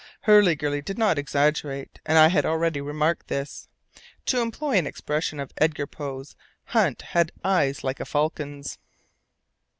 Hurliguerly did not exaggerate, and I had already remarked this. To employ an expression of Edgar Poe's, Hunt had eyes like a falcon's.